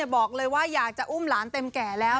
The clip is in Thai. บอกเลยว่าอยากจะอุ้มหลานเต็มแก่แล้ว